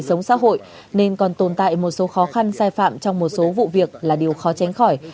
trong xã hội nên còn tồn tại một số khó khăn sai phạm trong một số vụ việc là điều khó tránh khỏi